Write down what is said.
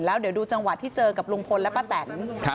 แล้วเดี๋ยวดูจังหวะที่เจอกับลุงพลและป้าแตน